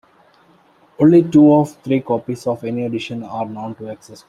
Only two or three copies of any edition are known to exist.